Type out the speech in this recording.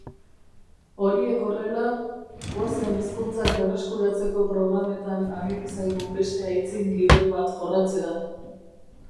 Horiek horrela, goazen hizkuntzak berreskuratzeko programetan ageri zaigun beste aitzin-gibel bat jorratzera.